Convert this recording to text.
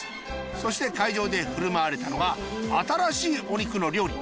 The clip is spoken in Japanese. そして会場で振る舞われたのが新しいお肉の料理。